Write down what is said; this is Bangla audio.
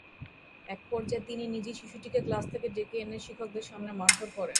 একপর্যায়ে তিনি নিজেই শিশুটিকে ক্লাস থেকে ডেকে এনে শিক্ষকদের সামনে মারধর করেন।